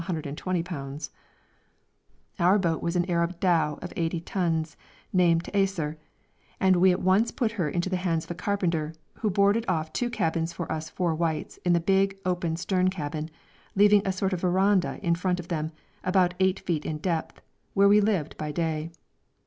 _ Our boat was an Arab dhow of 80 tons, named the Taisir; we at once put her in the hands of a carpenter, who boarded off two cabins for us four whites, in the big, open stern cabin, leaving a sort of verandah in front of them, about 8 feet in depth, where we lived by day.